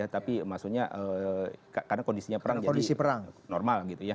tapi maksudnya karena kondisinya perang jadi normal